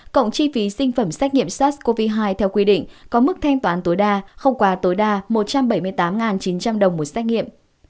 cộng chi phí sinh phẩm xét nghiệm sars cov hai theo quy định có mức thanh toán tối đa không quá tối đa một trăm bảy mươi tám chín trăm linh đồng một xét nghiệm